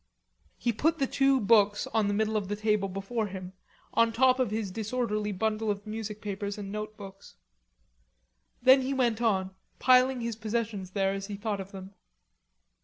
He put the two books on the middle of the table before him, on top of his disorderly bundle of music papers and notebooks. Then he went on, piling his possessions there as he thought of them.